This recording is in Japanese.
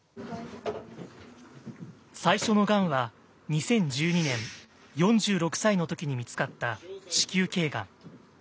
最初のがんは２０１２年４６歳の時に見つかった子宮頸がん。